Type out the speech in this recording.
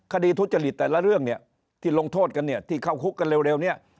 คดีทุจจริตแต่ละเรื่องที่ลงโทษกันที่เข้าคุกกันเร็ว